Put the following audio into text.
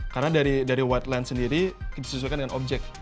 karena dari wide lens sendiri disesuaikan dengan objek